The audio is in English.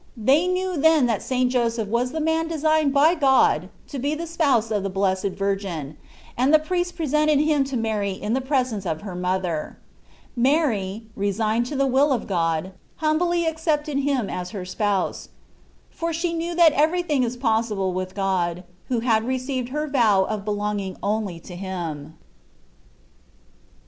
They knew then that St. Joseph was the man designed by God to be the spouse of the Blessed Virgin, and the priests presented him to Mary in the presence of her mother. Mary, resigned to the will of God, humbly accepted him as her spouse, for she knew that everything is possible with God, who had received her vow of belonging only to Him.